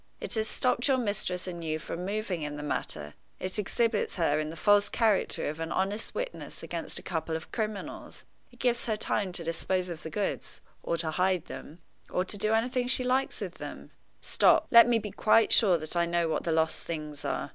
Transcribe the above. It has stopped your mistress and you from moving in the matter; it exhibits her in the false character of an honest witness against a couple of criminals; it gives her time to dispose of the goods, or to hide them, or to do anything she likes with them. Stop! let me be quite sure that I know what the lost things are.